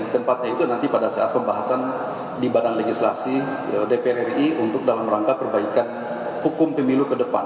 tempatnya itu nanti pada saat pembahasan di badan legislasi dpr ri untuk dalam rangka perbaikan hukum pemilu ke depan